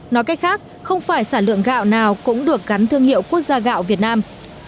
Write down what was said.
nói cách khác không phải sản lượng gạo nào cũng được gắn thương hiệu quốc gia gạo việt nam